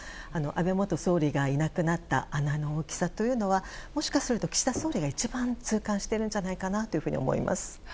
安倍元総理がいなくなった穴の大きさというのはもしかすると岸田総理が一番痛感しているんじゃないかなと思います。